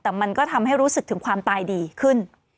แต่มันก็ทำให้รู้สึกถึงความตายดีขึ้น